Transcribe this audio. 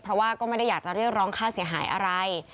เพราะว่าก็ไม่ได้อยากจะเรียกร้องค่าเสียหายอะไร